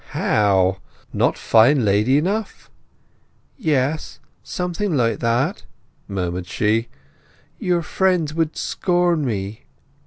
"How? Not fine lady enough?" "Yes—something like that," murmured she. "Your friends would scorn me."